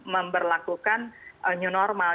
memperlakukan new normal